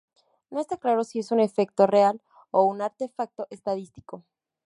No está claro si es un efecto real o un artefacto estadístico.